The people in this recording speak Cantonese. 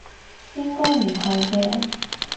應該唔係嘅